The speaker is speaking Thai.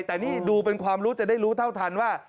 แต่นี่ดูเป็นความรู้จะได้รู้เท่าทันว่า